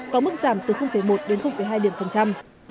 có mức giảm từ một đến hai điểm phần trăm